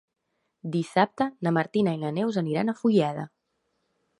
Dissabte na Martina i na Neus aniran a Fulleda.